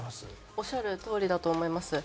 おっしゃる通りだと思います。